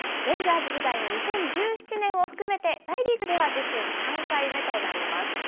レンジャーズ時代の２０１７年を含めて、大リーグでは自身３回目となります。